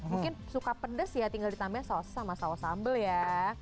mungkin suka pedes ya tinggal ditambah saus sama saus sambal ya